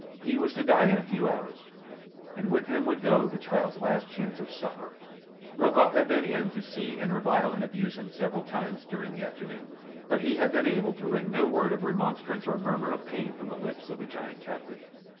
He was to die in a few hours, and with him would go the child's last chance of succour. Rokoff had been in to see and revile and abuse him several times during the afternoon; but he had been able to wring no word of remonstrance or murmur of pain from the lips of the giant captive.